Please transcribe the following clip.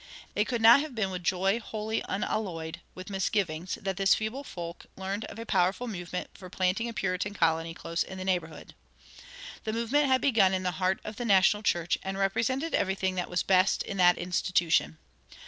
It could not have been with joy wholly unalloyed with misgivings that this feeble folk learned of a powerful movement for planting a Puritan colony close in the neighborhood. The movement had begun in the heart of the national church, and represented everything that was best in that institution.